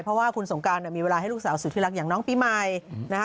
เพราะว่าคุณสงกรานเนี่ยมีเวลาให้ลูกสาวสูที่รักอย่างน้องปี้ไมค์